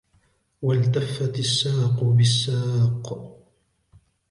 والتفت الساق بالساق